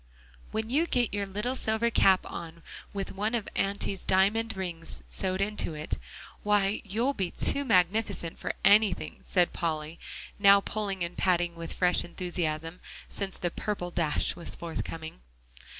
"When you get your little silver cap on with one of Auntie's diamond rings sewed in it, why, you'll be too magnificent for anything," said Polly, now pulling and patting with fresh enthusiasm, since the "purple dash" was forthcoming.